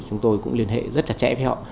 chúng tôi cũng liên hệ rất chặt chẽ với họ